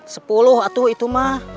sepuluh itu mah